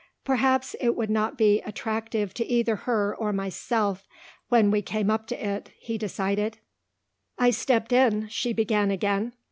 "Perhaps it would not be attractive to either her or myself when we came up to it," he decided. "I stepped in," she began again.